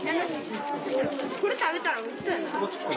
これ食べたらおいしそうやな。